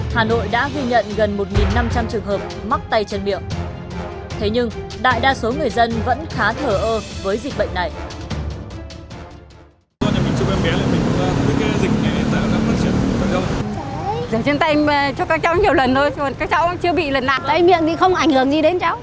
hà nội đã ghi nhận gần một năm trăm linh trường hợp mắc tay chân miệng thế nhưng đại đa số người dân vẫn khá thở ơ với dịch bệnh này